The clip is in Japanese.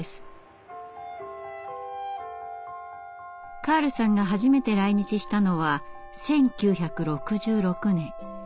カールさんが初めて来日したのは１９６６年２４歳の時。